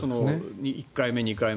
１回目、２回目。